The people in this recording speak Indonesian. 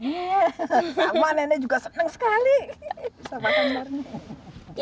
iya sama nenek juga seneng sekali